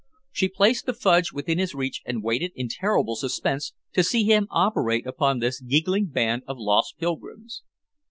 She placed the fudge within his reach and waited in terrible suspense to see him operate upon this giggling band of lost pilgrims.